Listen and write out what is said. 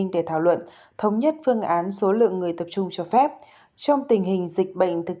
để thảo luận thống nhất phương án số lượng người tập trung cho phép trong tình hình dịch bệnh thực